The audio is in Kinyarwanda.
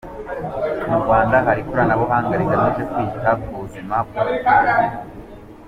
Mu Rwanda hari ikoranabuhanga rigamije kwita ku buzima bw’ abaturage.